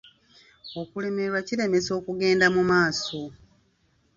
Okulemererwa kiremesa okugenda mu maaso.